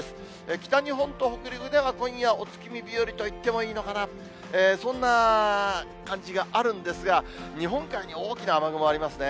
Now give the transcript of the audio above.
北日本と北陸では今夜、お月見日和といってもいいのかな、そんな感じがあるんですが、日本海に大きな雨雲がありますね。